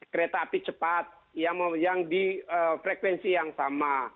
kereta api cepat yang di frekuensi yang sama